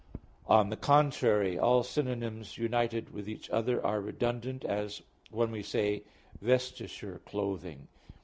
On the contrary, All synonyms united with each other are redundant, as when we say, "vesture clothing."